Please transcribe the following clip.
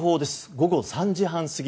午後３時半過ぎ